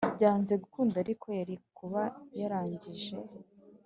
Byanze gukunda ariko yari kuba yarangije